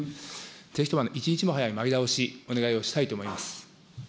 ぜひとも一日も早い前倒し、お願いをしたいと思います。